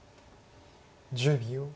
１０秒。